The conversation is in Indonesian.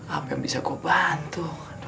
apa yang bisa kau bantu